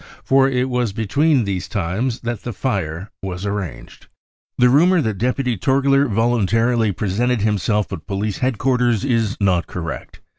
For it was between these times that the fire was arranged. " The rumour that deputy Torgler voluntarily presented himself at police headquarters is not correct.